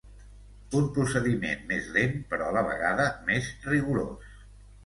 Un procediment més lent, però a la vegada més rigorós.